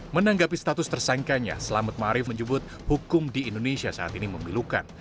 menanggapi status tersangkanya selamat ⁇ maarif menyebut hukum di indonesia saat ini memilukan